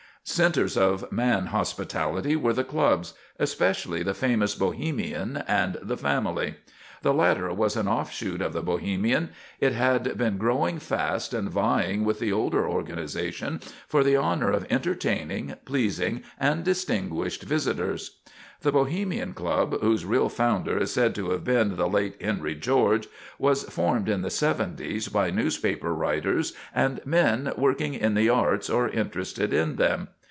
Centres of man hospitality were the clubs, especially the famous Bohemian and the Family. The latter was an offshot of the Bohemian; and it had been growing fast and vieing with the older organization for the honor of entertaining pleasing and distinguished visitors. The Bohemian Club, whose real founder is said to have been the late Henry George, was formed in the '70s by newspaper writers and men working in the arts or interested in them.